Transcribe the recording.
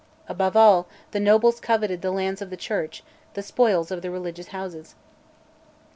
Above all, the nobles coveted the lands of the Church, the spoils of the religious houses.